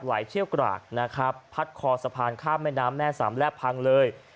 เชี่ยวกรากนะครับพัดคอสะพานข้ามแม่น้ำแม่สามแลบพังเลย